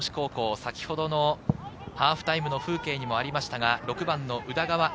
先ほどのハーフタイムの風景にもありましたが、６番・宇田川瑛